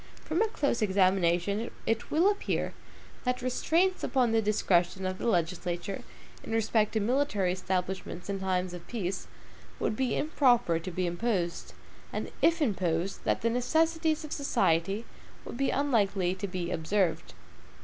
From a close examination it will appear that restraints upon the discretion of the legislature in respect to military establishments in time of peace, would be improper to be imposed, and if imposed, from the necessities of society, would be unlikely to be observed.